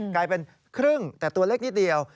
กลายเป็นครึ่งแต่ตัวเล็กนิดเดียว